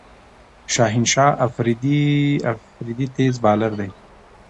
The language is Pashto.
شاهین شاه آفريدي تېز بالر دئ.